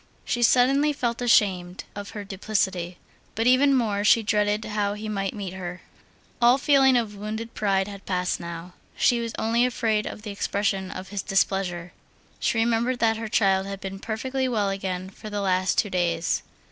She suddenly felt ashamed of her duplicity, but even more she dreaded how he might meet her. All feeling of wounded pride had passed now; she was only afraid of the expression of his displeasure. She remembered that her child had been perfectly well again for the last two days.